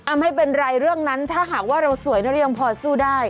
ไม่เป็นไรเรื่องนั้นถ้าหากว่าเราสวยเรายังพอสู้ได้